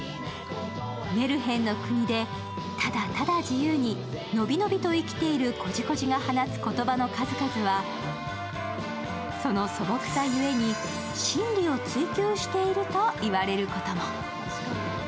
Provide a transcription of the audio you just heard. メルヘンの国で、ただただ伸び伸びと生きているコジコジが放つ言葉の数々はその素朴さゆえに真理を追究していると言われることも。